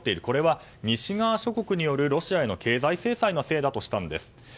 これは西側諸国によるロシアへの経済制裁のせいだとしたんです。